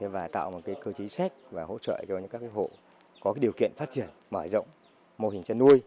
và tạo một cơ chí xét và hỗ trợ cho các hộ có điều kiện phát triển mở rộng mô hình chân nuôi